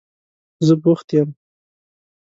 زه بوخت یم.